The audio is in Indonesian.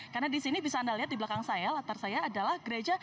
karena di sini bisa anda lihat di belakang saya latar saya adalah gereja